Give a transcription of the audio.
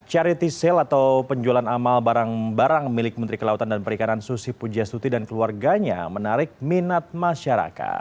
charity sale atau penjualan amal barang barang milik menteri kelautan dan perikanan susi pujastuti dan keluarganya menarik minat masyarakat